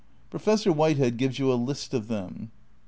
Professor Whitehead gives you a list of them.